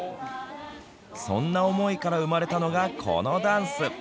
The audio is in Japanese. そんな思いから生まれたのがこのダンス。